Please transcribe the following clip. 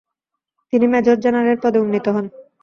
তিনি মেজর-জেনারেল পদে উন্নীত হন।